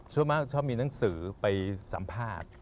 ส่วนมากชอบมีหนังสือไปสัมภาษณ์